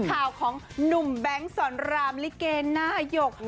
ข่าวของหนุ่มแบงค์สอนรามลิเกหน้าหยก